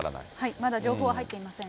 まだ情報は入っていません。